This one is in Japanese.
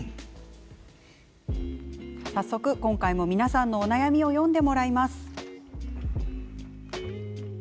早速、今回も皆さんのお悩みを読んでもらいます。